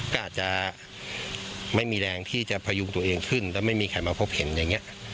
ก็อาจจะไม่มีแรงที่จะพยุงตัวเองขึ้นแล้วไม่มีใครมาพบเห็นอย่างนี้